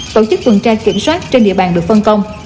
tổ chức tuần tra kiểm soát trên địa bàn được phân công